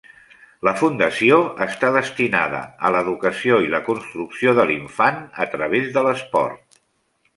La fundació està destinada a l'educació i la construcció de l'infant a través de l'esport.